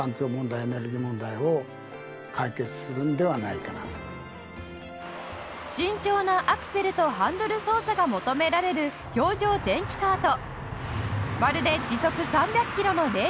氷の上を舘内さんの慎重なアクセルとハンドル操作が求められる氷上電気カート